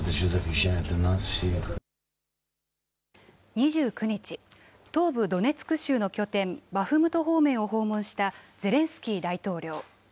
２９日、東部ドネツク州の拠点、バフムト方面を訪問したゼレンスキー大統領。